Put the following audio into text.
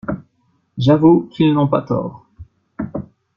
J'avoue qu'ils n'ont pas tort.